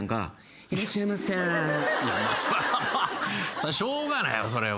そらしょうがないわそれは。